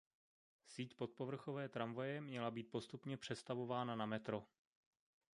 Síť podpovrchové tramvaje měla být postupně přestavována na metro.